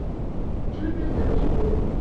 Chuñuta mikuy.